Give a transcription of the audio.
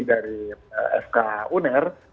dari sk uner